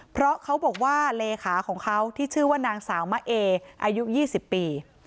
เพราะเขาบอกว่าเลขาของเขาที่ชื่อว่านางสาวมะเออายุ๒๐ปี